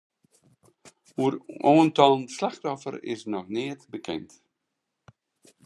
Oer oantallen slachtoffers is noch neat bekend.